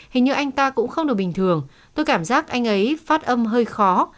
hình như anh ta cũng không được bình thường tôi cảm giác anh ấy phát âm hơi khó